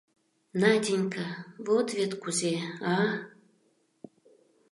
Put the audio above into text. — Наденька, вот вет кузе, а?